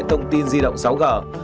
thông tin di động sáu g